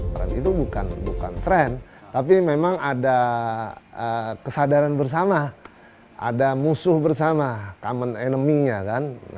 trend itu bukan tren tapi memang ada kesadaran bersama ada musuh bersama common enemy nya kan